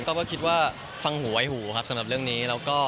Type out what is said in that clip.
ก็คิดว่าฟังหูไว้หูครับสำหรับเรื่องนี้